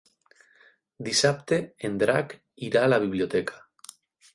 Dissabte en Drac irà a la biblioteca.